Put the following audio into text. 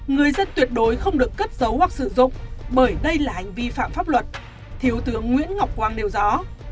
người dân tuyệt đối không được cất giấu hoặc sử dụng bởi đây là hành vi phạm pháp luật thiếu tướng nguyễn ngọc quang nêu rõ